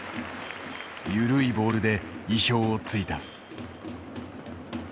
緩いボールで意表をついた。